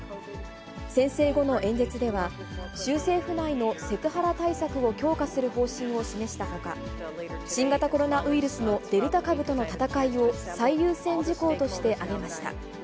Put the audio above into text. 宣誓後の演説では、州政府内のセクハラ対策を強化する方針を示したほか、新型コロナウイルスのデルタ株との闘いを最優先事項として挙げました。